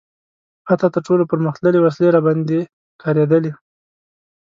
حتی تر ټولو پرمختللې وسلې راباندې کارېدلي.